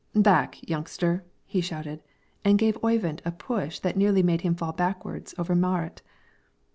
"Back, youngster!" he shouted, and gave Oyvind a push that nearly made him fall backwards over Marit.